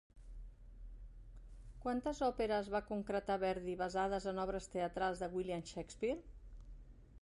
Quantes òperes va concretar Verdi basades en obres teatrals de William Shakespeare?